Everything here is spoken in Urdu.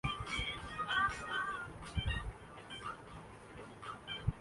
سی پیک منصوبے سے کاروبار کی نئی راہیں ہموار ہوں گی لاہور چیمبر اف کامرس